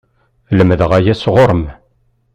Lemdeɣ aya sɣur-m!